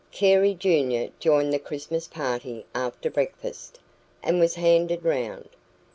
Carey junior joined the Christmas party after breakfast, and was handed round.